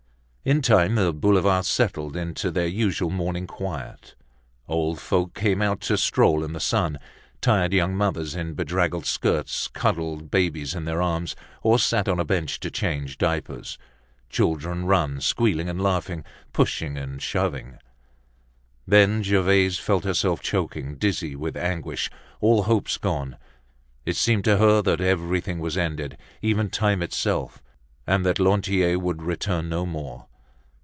In time the Boulevards settle into their usual morning quiet. Old folks come out to stroll in the sun. Tired young mothers in bedraggled skirts cuddle babies in their arms or sit on a bench to change diapers. Children run, squealing and laughing, pushing and shoving. Then Gervaise felt herself choking, dizzy with anguish, all hopes gone; it seemed to her that everything was ended, even time itself, and that Lantier would return no more.